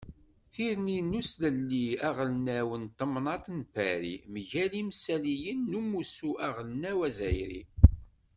Tirni n uslelli aɣelnaw n temnaḍt n Pari mgal imssaliyen n Umussu aɣelnaw azzayri.